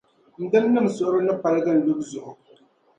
n dimnim’ suhuri ni paligi n lubu zuɣu.